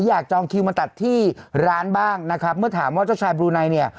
จองคิวมาตัดที่ร้านบ้างนะครับเมื่อถามว่าเจ้าชายบลูไนเนี่ย